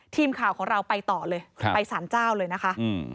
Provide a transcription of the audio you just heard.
ทีมข่าวของเราไปต่อเลยไปสานเจ้าเลยนะคะ